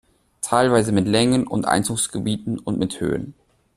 Teilweise mit Längen und Einzugsgebieten und mit Höhen.